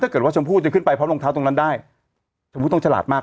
ถ้าเกิดว่าชมพูดจะขึ้นไปพบรองเท้าตรงนั้นได้ชมพูดต้องฉลาดมาก